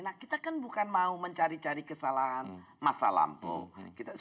nah kita kan bukan mau mencari cari kesalahan masa lampau